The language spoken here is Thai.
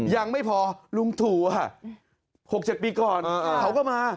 ยังไม่พอลุงถูค่ะ๖๗ปีก่อนเขาก็มา